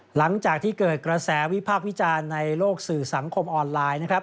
หลังจากที่เกิดกระแสวิพากษ์วิจารณ์ในโลกสื่อสังคมออนไลน์นะครับ